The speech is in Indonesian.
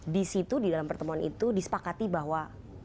di situ di dalam pertemuan itu disepakati bahwa